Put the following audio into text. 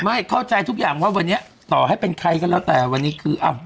ไม่เข้าใจทุกอย่างว่าวันนี้ต่อให้เป็นใครก็แล้วแต่วันนี้คืออ้าว